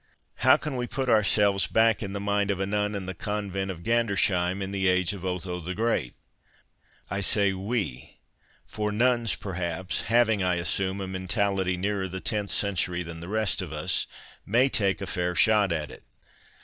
How can we put ourselves back in the mind of a nun in the Convent of Gandersheim in the age of Otho the Great ? I say " we." For nuns perhaps (having, I assume, a mentality nearer the tenth century than the rest of us) may take a fair shot at it.